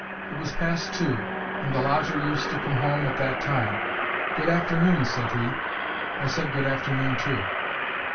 It was past two, and the lodger used to come home at that time. ' Good afternoon,' said he. I said good afternoon, too.